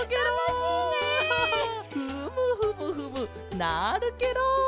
フムフムフムなるケロ！